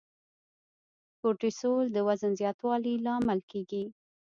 کورټیسول د وزن زیاتوالي لامل کېږي.